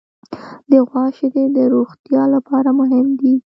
د غوا شیدې د روغتیا لپاره مهمې دي.